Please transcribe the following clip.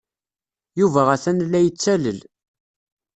Yuba atan la yettalel.